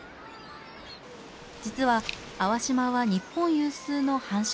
実は粟島は日本有数の繁殖地。